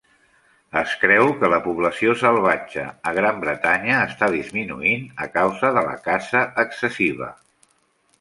Es creu que la població salvatge a Gran Bretanya està disminuint a causa de la caça excessiva.